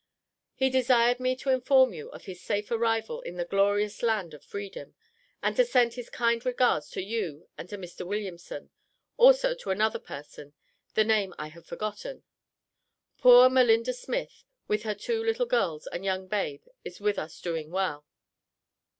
He desired me to inform you of his safe arrival in the glorious land of Freedom, and to send his kind regards to you and to Mr. Williamson; also to another person, (the name I have forgotten). Poor Malinda Smith, with her two little girls and young babe is with us doing well.